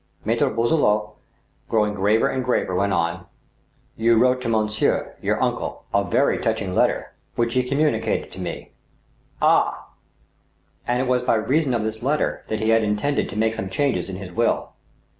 Maitre Boisselot, growing graver and graver, went on :" You wrote to monsieur, your uncle, a very touching letter, which he com municated to me." "Ah!" " And it was by reason of this letter that he had intended to make some changes in his will."